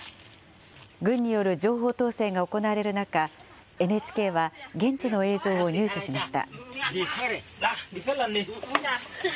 軍による情報統制が行われる中、ＮＨＫは現地の映像を入手しました。